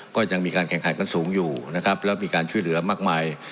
ก็ยังมีการแข่งขันกันสูงอยู่นะครับแล้วมีการช่วยเหลือมากมาย